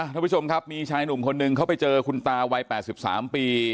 ท่านผู้ชมครับมีชายหนุ่มคนหนึ่งเขาไปเจอคุณตาวัย๘๓ปี